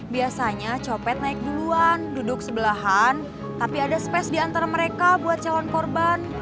biasanya copet naik duluan duduk sebelahan tapi ada space diantara mereka buat calon korban